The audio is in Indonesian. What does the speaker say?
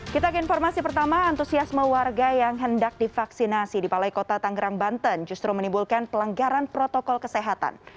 kita ke informasi pertama antusiasme warga yang hendak divaksinasi di balai kota tanggerang banten justru menimbulkan pelanggaran protokol kesehatan